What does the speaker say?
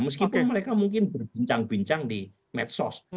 meskipun mereka mungkin berbincang bincang di medsos